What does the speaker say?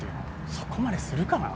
そこまでするかな？